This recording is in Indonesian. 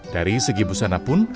dari segi busana pun